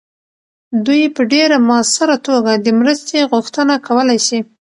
دوی په ډیر مؤثره توګه د مرستې غوښتنه کولی سي.